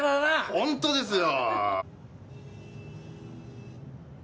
ホントですよ。